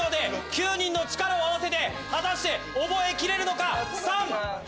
９人の力を合わせて果たして覚えきれるのか？